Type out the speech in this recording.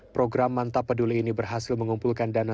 program mantap peduli ini berhasil mengumpulkan dana